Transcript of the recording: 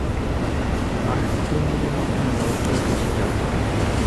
আর তিন দিনের মধ্যে আমরা উত্তরে পৌছে যাব।